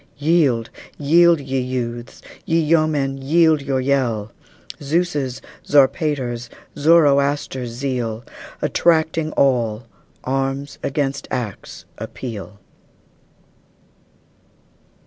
Yield, yield, ye youths! ye yeomen, yield your yell! Zeus', Zarpater's, Zoroaster's zeal, Attracting all, arms against acts appeal!